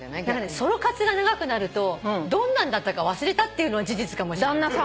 ソロ活が長くなるとどんなんだったか忘れたってのは事実かもしんない。